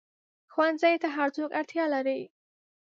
ښوونځی ته هر څوک اړتیا لري